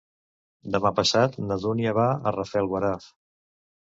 Demà passat na Dúnia va a Rafelguaraf.